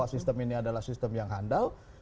sistem ini adalah sistem yang handal